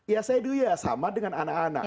ya saya dulu ya sama dengan anak anak